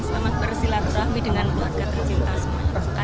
selamat bersilat rahmi dengan warga tercinta semuanya